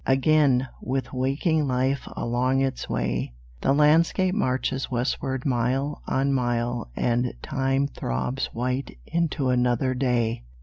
Again, with waking life along its way, The landscape marches westward mile on mile And time throbs white into another day.